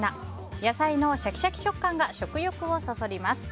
野菜のシャキシャキ食感が食欲をそそります。